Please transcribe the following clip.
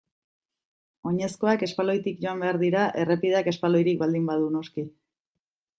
Oinezkoak espaloitik joan behar dira errepideak espaloirik baldin badu noski.